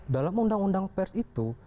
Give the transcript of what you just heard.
dalam undang undang pers itu